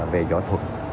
về giỏ thuật